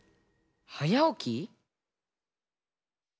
はやおき？